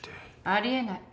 あり得ない。